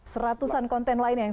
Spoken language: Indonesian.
seratusan konten lain yang